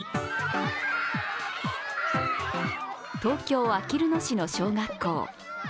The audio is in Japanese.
東京・あきる野市の小学校。